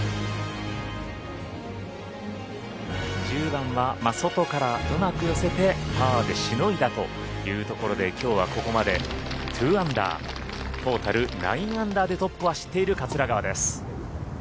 １０番は外からうまく寄せてパーでしのいだというところできょうはここまで２アンダートータル９アンダーでトップを走っている桂川です。